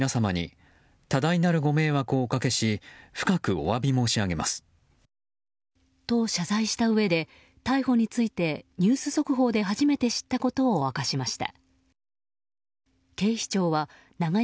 所属事務所は先ほど。と、謝罪したうえで逮捕についてニュース速報で初めて知ったことを明かしました。